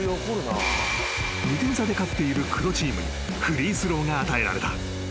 ［２点差で勝っている黒チームにフリースローが与えられた］